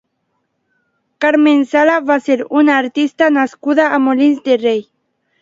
Carmen Sala va ser una artista nascuda a Molins de Rei.